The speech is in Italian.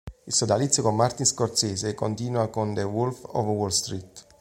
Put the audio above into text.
Il sodalizio con Martin Scorsese continua con "The Wolf of Wall Street".